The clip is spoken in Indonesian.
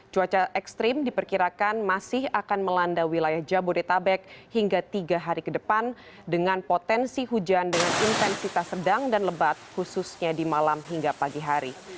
cuaca ekstrim diperkirakan masih akan melanda wilayah jabodetabek hingga tiga hari ke depan dengan potensi hujan dengan intensitas sedang dan lebat khususnya di malam hingga pagi hari